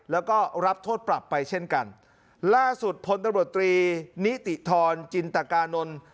แล้วก็รับโทษปรับไปเช่นกันล่าสุดพลตำรวจตรีนิติธรจินตกานนท์